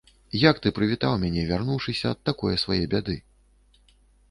Як ты прывітаў мяне, вярнуўшыся ад такое свае бяды?